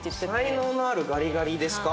才能のあるガリガリですか。